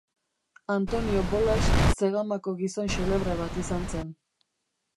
Antonio Bolas Zegamako gizon xelebre bat izan zen.